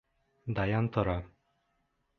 Даян тора.